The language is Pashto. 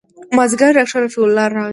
مازديګر ډاکتر رفيع الله راغى.